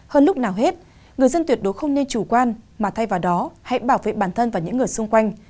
hơn lúc nào hết người dân tuyệt đối không nên chủ quan mà thay vào đó hãy bảo vệ bản thân và những người xung quanh